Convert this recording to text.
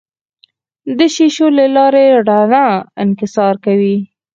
د شیشو له لارې رڼا انکسار کوي.